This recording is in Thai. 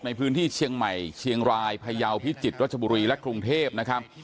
ในพื้นที่เชียงใหม่เชียงรายพยาวพิจิตรรัชบุรีและกรุงเทพนะครับ